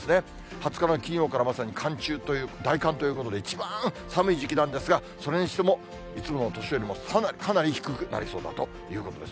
２０日の金曜からまさに寒中という、大寒ということで、一番寒い時期なんですが、それにしても、いつもの年よりもかなり低くなりそうだということです。